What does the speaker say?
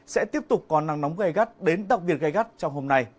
sẽ tiếp tục có nắng nóng gây gắt đến đặc biệt gây gắt trong hôm nay